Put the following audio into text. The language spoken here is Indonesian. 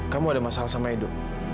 kamu ada masalah sama edo